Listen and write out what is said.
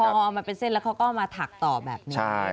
พอเอามาเป็นเส้นแล้วเขาก็เอามาถักต่อแบบนี้